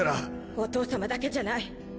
お義父様だけじゃない。